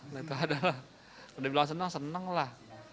ketika bilang senang senang lah